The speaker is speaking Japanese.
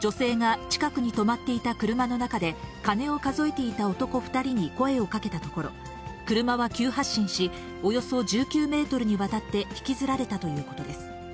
女性が近くに止まっていた車の中で金を数えていた男２人に声をかけたところ、車は急発進し、およそ１９メートルにわたって引きずられたということです。